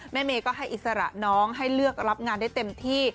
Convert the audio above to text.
เมย์ก็ให้อิสระน้องให้เลือกรับงานได้เต็มที่